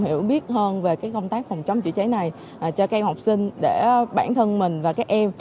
hiểu biết hơn về công tác phòng chống chữa cháy này cho các em học sinh để bản thân mình và các em